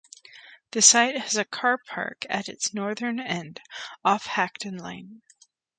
The site has a car park at its northern end off Hacton Lane.